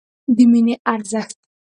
د مینې ارزښت